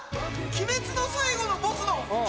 『鬼滅』の最後のボスの。